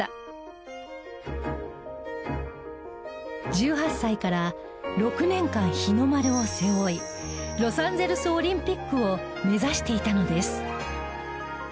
１８歳から６年間日の丸を背負いロサンゼルスオリンピックを目指していたのです。